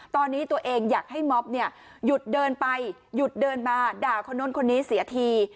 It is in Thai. ตอนนี้ตัวเองอยากให้ม็อบเนี่ยหยุดเดินไปหยุดเดินมาด่าคนนู้นคนนี้เสียที